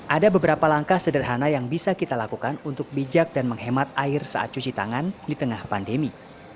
ada beberapa langkah sederhana yang bisa kita lakukan untuk bijak dan menghemat air saat cuci tangan di tengah pandemi